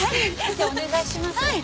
じゃあお願いします。